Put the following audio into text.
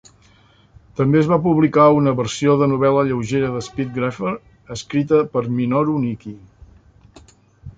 També es va publicar una versió de novel·la lleugera de "Speed Grapher" escrita per Minoru Niki.